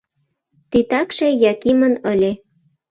Титакше Якимын ыле.